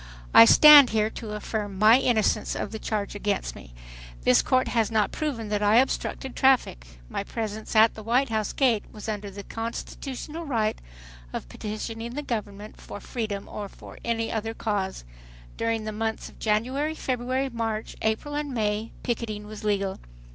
"I stand here to affirm my innocence of the charge against me. This court has not proven that I obstructed traffic. My presence at the White House gate was under the constitutional right of petitioning the government for freedom or for any other cause. During the months of January, February, March, April and May picketing was legal.